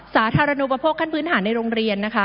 สาธารณูปโภคขั้นพื้นฐานในโรงเรียนนะคะ